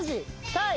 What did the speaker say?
タイ。